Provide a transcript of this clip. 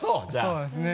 そうですね。